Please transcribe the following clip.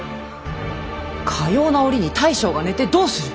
かような折に大将が寝てどうする。